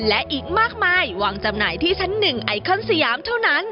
และอีกมากมายวางจำหน่ายที่ชั้น๑ไอคอนสยามเท่านั้น